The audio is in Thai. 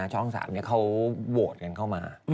ช่อง๓เขาโหวตกันเข้ามา